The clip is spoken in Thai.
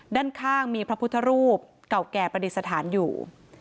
ด้านข้างมีพระพุทธรูปเก่าแก่ประดิษฐานอยู่